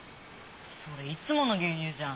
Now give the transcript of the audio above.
それいつもの牛乳じゃん。